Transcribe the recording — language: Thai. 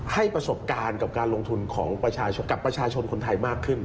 ให้ประสบการณ์กับการลงทุนของประชาชนกับประชาชนคนไทยมากขึ้น